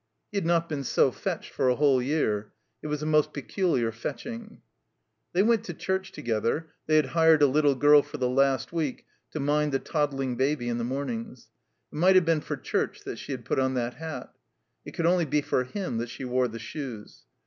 He had not been so fetched for a whole year. It was a most peculiar fetching. They went to church together (they had hired a little girl for the last week to mind the toddling Baby in the mornings). It might have been for church that she had put on that hat. It could only be for him that she wore the shoes.